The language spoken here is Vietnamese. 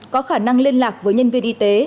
có khả năng liên lạc với nhân viên y tế